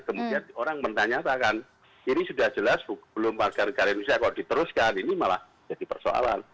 kemudian orang menanyakan ini sudah jelas hukum kekebalan masyarakat indonesia kalau diteruskan ini malah jadi persoalan